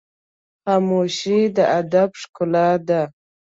خاموشي، د ادب ښکلا ده.